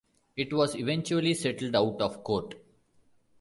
It was eventually settled out of court.